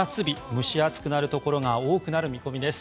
蒸し暑くなるところが多くなる見込みです。